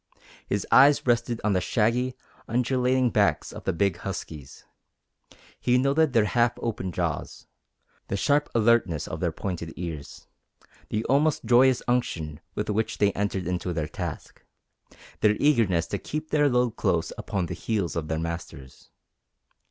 His eyes rested on the shaggy, undulating backs of the big huskies; he noted their half open jaws, the sharp alertness of their pointed ears, the almost joyous unction with which they entered into their task, their eagerness to keep their load close upon the heels of their masters.